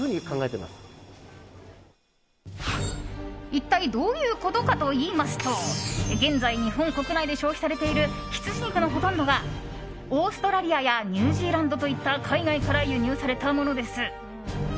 一体どういうことかといいますと現在、日本国内で消費されている羊肉のほとんどがオーストラリアやニュージーランドといった海外から輸入されたものです。